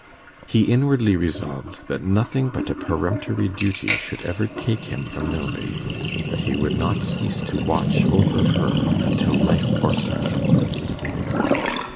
He inwardly resolved that nothing but a peremptory duty should ever take him from Milby that he would not cease to watch over her until life forsook him.